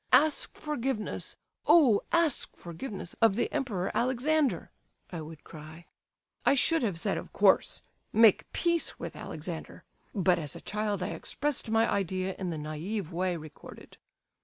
'Ask forgiveness, Oh, ask forgiveness of the Emperor Alexander!' I would cry. I should have said, of course, 'Make peace with Alexander,' but as a child I expressed my idea in the naive way recorded.